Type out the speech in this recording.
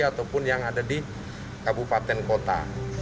ataupun yang ada di kabupaten kota